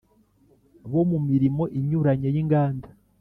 Bo mu mirimo inyuranye y inganda